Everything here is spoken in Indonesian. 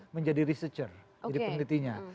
menjadi researcher jadi penelitianya